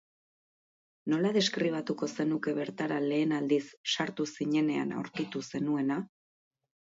Nola deskribatuko zenuke bertara lehen aldiz sartu zinenean aurkitu zenuena?